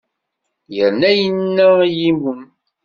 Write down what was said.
Yerna yenna i yiwen.